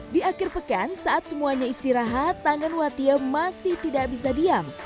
di akhir pekan saat semuanya istirahat tangan watia masih tidak bisa diam